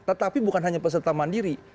tetapi bukan hanya peserta mandiri